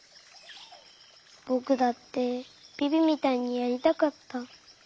ぼくだってビビみたいにやりたかった。